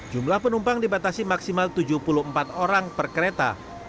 jumlah penumpang dibatasi maksimal tujuh puluh empat orang per kereta